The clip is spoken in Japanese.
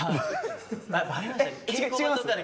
違います？